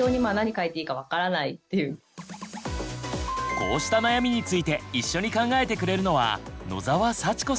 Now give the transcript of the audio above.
こうした悩みについて一緒に考えてくれるのは野澤祥子さん。